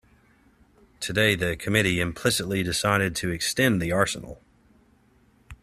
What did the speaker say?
Today the committee implicitly decided to extend the arsenal.